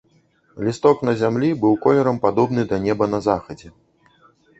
Лісток на зямлі быў колерам падобны да неба на захадзе.